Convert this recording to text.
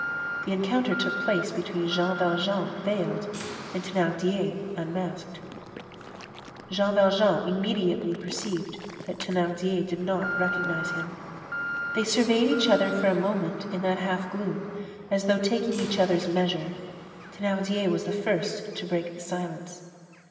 The encounter took place between Jean Valjean veiled and Thénardier unmasked. Jean Valjean immediately perceived that Thénardier did not recognize him. They surveyed each other for a moment in that half gloom, as though taking each other's measure. Thénardier was the first to break the silence.